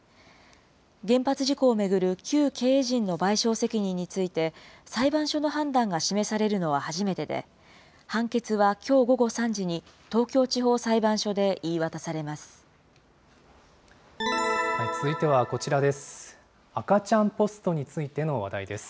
原発事故を巡る旧経営陣の賠償責任について、裁判所の判断が示されるのは初めてで、判決はきょう午後３時に東京地方裁判所で言い渡されます。